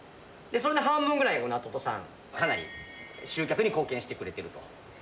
それの半分ぐらいを宇奈ととさん、かなり集客に貢献してくれてると。